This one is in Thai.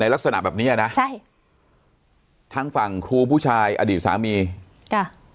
ลักษณะแบบเนี้ยนะใช่ทั้งฝั่งครูผู้ชายอดีตสามีจ้ะ